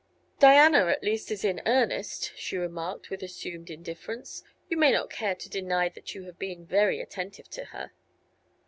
"Diana, at least, is in earnest," she remarked, with assumed indifference. "You may not care to deny that you have been very attentive to her."